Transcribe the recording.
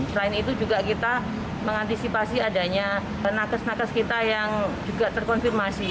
selain itu juga kita mengantisipasi adanya nakes nakes kita yang juga terkonfirmasi